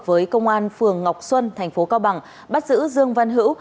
với công an phường ngọc xuân tp cao bằng bắt giữ dương văn hữu